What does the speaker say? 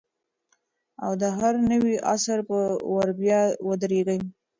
او د هر نوي عصر پر ور بیا ودرېږي